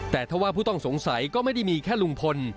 แต่ถ้าว่าผู้ต้องสงสัยก็ไม่ได้มีแค่ลุงพล